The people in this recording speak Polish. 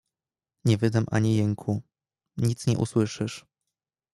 "Nie wydam ani jęku, nic nie usłyszysz!"